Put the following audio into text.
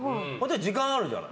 時間あるじゃん。